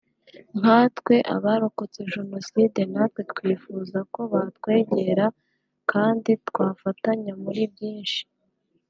nkatwe abarakotse Jenoside natwe twifuza ko batwegera kandi twafatanya muri byinshi